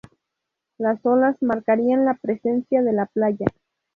Las olas marcarían la presencia de la playa.